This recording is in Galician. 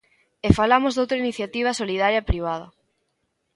E falamos doutra iniciativa solidaria privada.